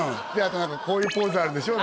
こういうポーズあるでしょ？